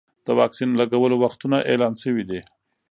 د واکسین لګولو وختونه اعلان شوي دي.